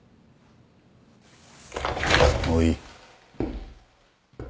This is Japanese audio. もういい。